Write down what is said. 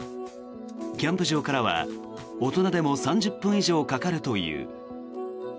キャンプ場からは大人でも３０分以上かかるという。